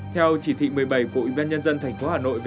theo chỉ thị một mươi bảy của ủy ban nhân dân thành phố hà nội